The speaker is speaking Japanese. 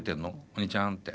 お兄ちゃんって。